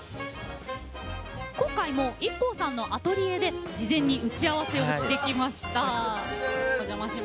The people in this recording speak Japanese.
今回もＩＫＫＯさんのアトリエで事前に打ち合わせをしてきました。